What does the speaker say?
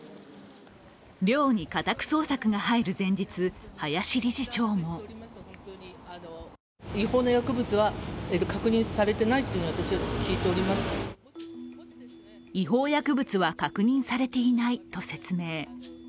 寮に家宅捜索が入る前日、林理事長も違法薬物は確認されていないと説明。